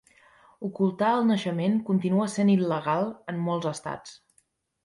Ocultar el naixement continua sent il·legal en molts estats.